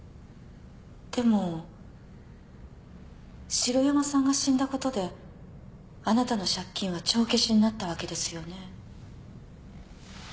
城山さんが死んだことであなたの借金は帳消しになったわけですよね？